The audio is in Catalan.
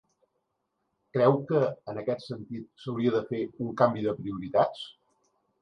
Creu que, en aquest sentit, s’hauria de fer un canvi de prioritats.